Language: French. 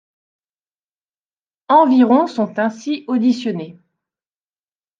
Environ sont ainsi auditionnés.